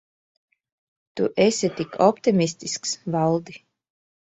Tu esi tik optimistisks, Valdi.